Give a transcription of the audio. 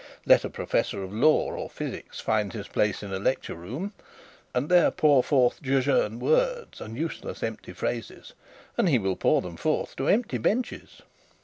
Let a professor of law or physic find his place in a lecture room, and there pour forth jejune words and useless empty phrases, and he will pour them forth to empty benches.